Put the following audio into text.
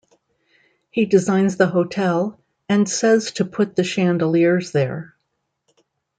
He designs the hotel and says to put the chandeliers there.